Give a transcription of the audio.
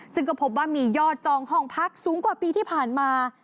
ซึ่งก็พบว่ามียอดจองห้องพักสูงกว่าปีที่ผ่านมา